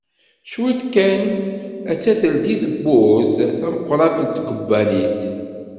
Cwiṭ kan attah teldi-d tewwurt tameqqrant n tkebbanit.